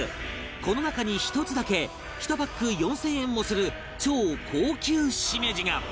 この中に１つだけ１パック４０００円もする超高級シメジが